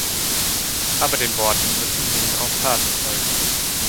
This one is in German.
Aber den Worten müssen nun auch Taten folgen.